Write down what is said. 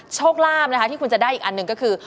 โชคลาภนะคะที่คุณจะได้อีกอันหนึ่งก็คือ